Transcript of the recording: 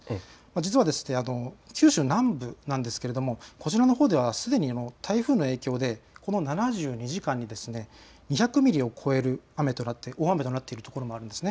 実は九州南部なんですがこちらのほうではすでに台風の影響でこの７２時間に２００ミリを超える雨となって、大雨となっている所もあるんです。